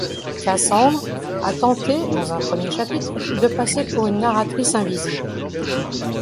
Cassandre a tenté, dans le premier chapitre, de passer pour une narratrice invisible.